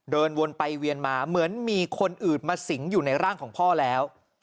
เดินวนไปเวียนมาเหมือนมีคนอื่นมาสิงอยู่ในร่างของพ่อแล้ว